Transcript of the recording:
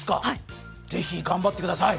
ぜひ、頑張ってください。